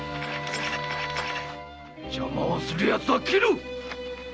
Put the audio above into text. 邪魔をする奴は斬る！